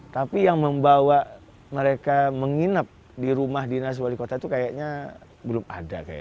tapi yang membawa mereka menginap di rumah dinas wali kota itu kayaknya belum ada